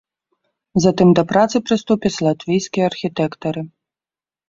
Затым да працы прыступяць латвійскія архітэктары.